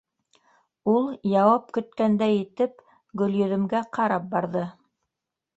— Ул яуап көткәндәй итеп Гөлйөҙөмгә ҡарап барҙы.